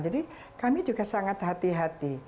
jadi kami juga sangat hati hati